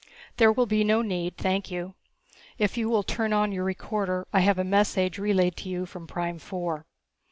"There will be no need, thank you. If you will turn on your recorder I have a message relayed to you from Prime four."